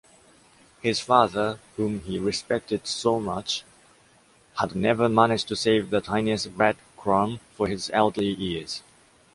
His father, whom he respected so much, had never managed to save the tiniest breadcrumb for his elderly years.